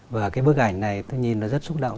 và cái bức ảnh này tôi nhìn nó rất xúc động